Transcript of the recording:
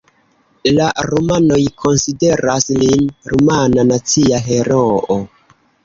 La rumanoj konsideras lin rumana nacia heroo.